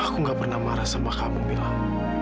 aku gak pernah marah sama kamu bilang